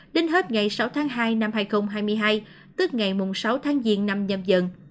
đến hết ngày sáu tháng hai năm hai nghìn hai mươi hai tức ngày sáu tháng diên năm nhầm dần